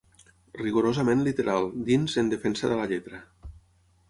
«Rigorosament Literal» dins En defensa de la lletra.